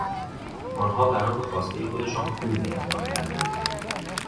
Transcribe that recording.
آنها بنا به خواستهی خودشان پول اهدا کردند.